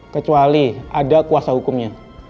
kecuali ada kuasa hukumnya